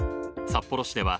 札幌市では、